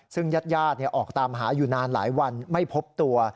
ซึ่งญาติออกตามหาอยู่นานหลายวันไม่พบตัว